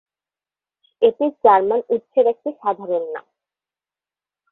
এটি জার্মান উৎসের একটি সাধারণ নাম।